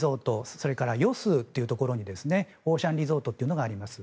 それからヨスというところにオーシャンリゾートというのがあります。